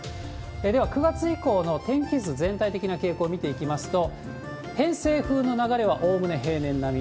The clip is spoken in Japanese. では、９月以降の天気図、全体的な傾向見ていきますと、偏西風の流れはおおむね平年並み。